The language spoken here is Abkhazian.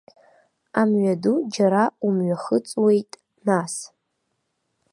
Амҩаду џьара умҩахыҵуеит, нас.